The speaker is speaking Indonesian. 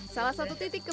salah satu titik kepentingan